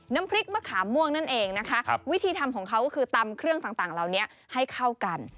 น้ำพริกมะขามม่วงนั่นเองนะคะวิธีทำของเขาก็คือตำเครื่องต่างเหล่านี้ให้เข้ากัน